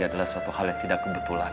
adalah suatu hal yang tidak kebetulan